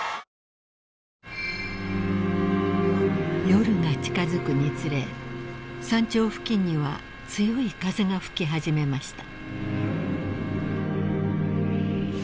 ［夜が近づくにつれ山頂付近には強い風が吹き始めました］